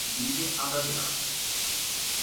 Vive ad Adrano.